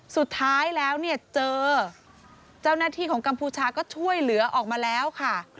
สุดท้ายแล้วเนี่ยเจอเจ้าหน้าที่ของกัมพูชาก็ช่วยเหลือออกมาแล้วค่ะ